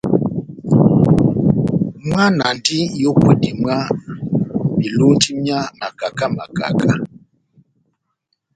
Mwana andi n'yókwedi mwá melonji mia makaka makaka.